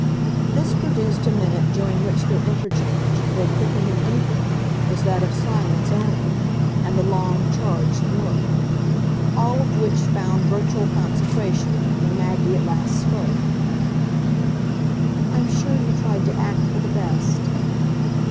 This produced a minute during which their interchange, though quickened and deepened, was that of silence only, and the long, charged look; all of which found virtual consecration when Maggie at last spoke. "I'm sure you tried to act for the best."